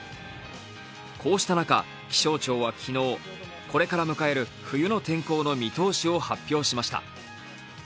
こうした中、気象庁は昨日これから迎える冬の天候の見通しを発表しました。